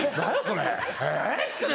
それ。